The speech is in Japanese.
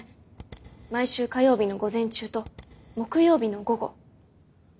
毎週火曜日の午前中と木曜日の午後。